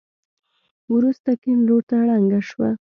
وروسته کيڼ لورته ړنګه شوه.